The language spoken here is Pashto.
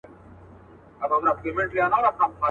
«ګوني ترور» د ښځي د ياغيتوب نښه جوړه سوه